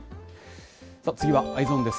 次はＥｙｅｓｏｎです。